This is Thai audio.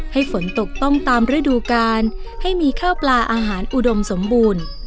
ให้ฝนตกต้องตามฤดูกาลให้มีข้าวปลาอาหารอุดมสมบูรณ์